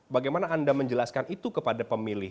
bagaimana anda menjelaskan itu kepada pemilih